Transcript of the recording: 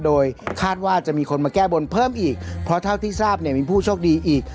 โดยคาดว่าจะมีคนมาแก้บนเพิ่มอีกเพราะเท่าที่ทราบเนี่ยมีผู้โชคดีอีก